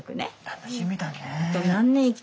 楽しみだね。